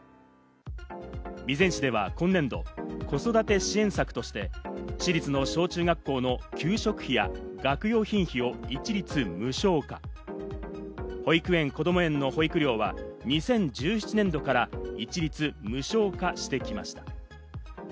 備前市では今年度、子育て支援策として市立の小中学校の給食費や学用品費を一律無償化、保育園・こども園の保育料は、２０１７年度から一律無償化してきました。